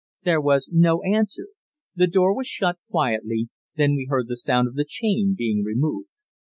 There was no answer. The door was shut quietly. Then we heard the sound of the chain being removed.